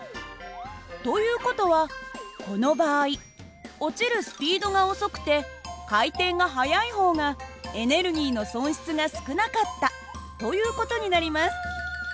という事はこの場合落ちるスピードが遅くて回転が速い方がエネルギーの損失が少なかったという事になります。